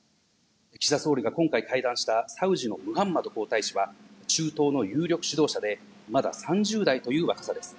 岸田総理が今回会談したサウジのムハンマド皇太子は、中東の有力指導者で、まだ３０代という若さです。